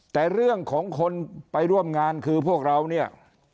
แต่เรื่องของคนไปร่วมงานคือพวกเราเนี่ย